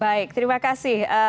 baik terima kasih